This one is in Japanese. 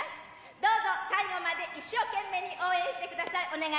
どうぞ最後まで一生懸命に応援してください。